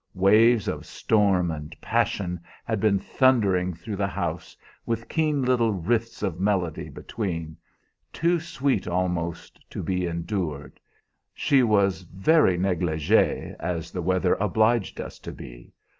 Waves of storm and passion had been thundering through the house, with keen little rifts of melody between, too sweet almost to be endured. She was very negligée, as the weather obliged us to be.